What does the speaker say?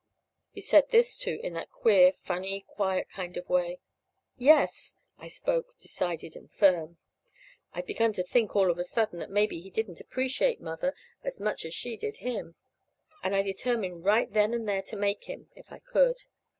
He said this, too, in that queer, funny, quiet kind of way. "Yes." I spoke, decided and firm. I'd begun to think, all of a sudden, that maybe he didn't appreciate Mother as much as she did him; and I determined right then and there to make him, if I could.